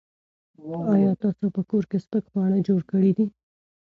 ایا تاسو په کور کې سپک خواړه جوړ کړي دي؟